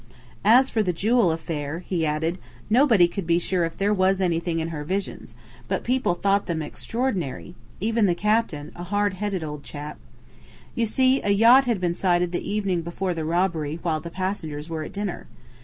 "As for the jewel affair," he added, "nobody could be sure if there was anything in her 'visions', but people thought them extraordinary even the captain, a hard headed old chap. You see, a yacht had been sighted the evening before the robbery while the passengers were at dinner.